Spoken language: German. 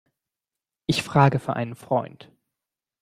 Ich frage für einen Freund.